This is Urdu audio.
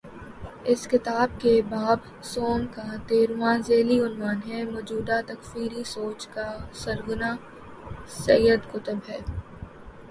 اس کتاب کے باب سوم کا تیرھواں ذیلی عنوان ہے: موجودہ تکفیری سوچ کا سرغنہ سید قطب ہے۔